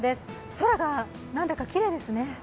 空がなんだかきれいですね。